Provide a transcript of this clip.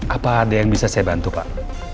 apa ada yang bisa saya bantu pak